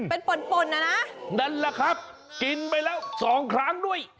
เป็นป่นป่นน่ะนะนั่นแหละครับกินไปแล้วสองครั้งด้วย